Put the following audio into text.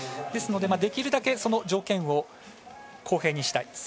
ですので、できるだけその条件を公平にしたい。